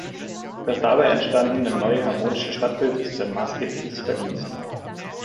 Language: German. Das dabei entstandene neue harmonische Stadtbild ist sein maßgebliches Verdienst.